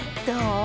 どう？